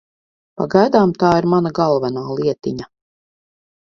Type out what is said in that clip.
Pagaidām tā ir mana galvenā lietiņa.